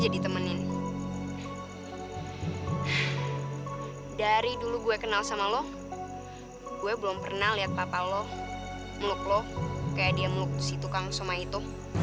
dari dulu gue kenal sama lo gue belum pernah liat papa lo meluk lo kayak dia meluk si tukang somai itu